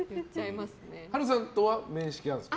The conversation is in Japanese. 波瑠さんとは面識はあるんですか？